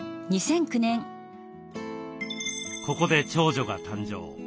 ここで長女が誕生。